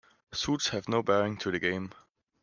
Suits have no bearing to the game.